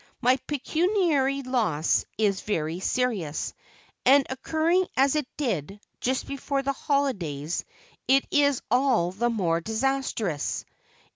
My pecuniary loss is very serious, and occurring as it did, just before the holidays, it is all the more disastrous.